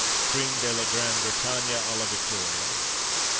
_ Crême de la Grande Bretagne à la Victoria.